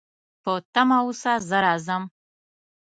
په تمه اوسه، زه راځم